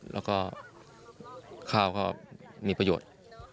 และข้าวก็มีประโยชน์